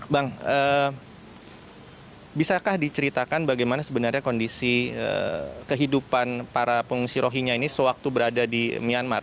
bang bisakah diceritakan bagaimana sebenarnya kondisi kehidupan para pengungsi rohingya ini sewaktu berada di myanmar